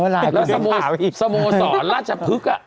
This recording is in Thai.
แล้วสโมสอนราชพึกอะ